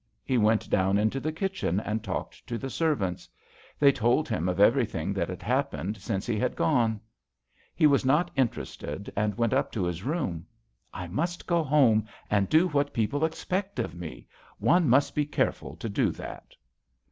He went down into the kitchen and talked to the servants. They told him of everything that had happened since he had gone. He was not interested, and went up to his room. " I must go home and do what people expect of me ; one must be care ful to do that."